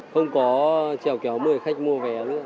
không có trèo kéo mười khách mua vé nữa